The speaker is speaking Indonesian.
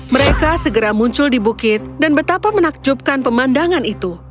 mereka segera muncul di bukit dan betapa menakjubkan pemandangan itu